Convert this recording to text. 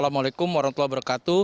assalamualaikum warahmatullahi wabarakatuh